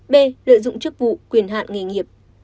b lợi dụng chức vụ quyền hạn nghề nghiệp